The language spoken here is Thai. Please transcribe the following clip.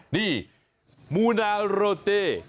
นี่มูนารโรตี